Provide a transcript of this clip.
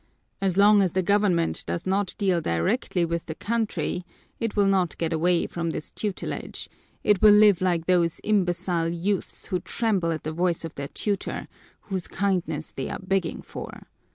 As long as the government does not deal directly with the country it will not get away from this tutelage, it will live like those imbecile youths who tremble at the voice of their tutor, whose kindness they are begging for.